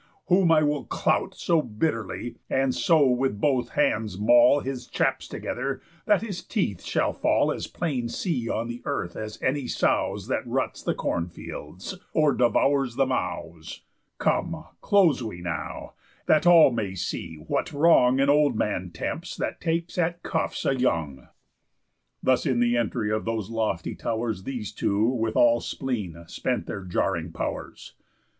Whom I will clout So bitterly, and so with both hands mall His chaps together, that his teeth shall fall As plain seen on the earth as any sow's, That ruts the corn fields, or devours the mows. Come, close we now, that all may see what wrong An old man tempts that takes at cuffs a young." Thus in the entry of those lofty tow'rs These two, with all spleen, spent their jarring pow'rs.